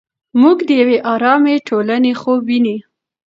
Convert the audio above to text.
موږ د یوې ارامې ټولنې خوب ویني.